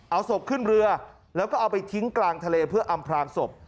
เอาศพขึ้นเรือแล้วก็เอาไปทิ้งกลางทะเลเพื่ออำพลางศพ